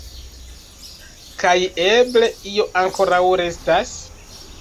Kaj eble io ankoraŭ restas?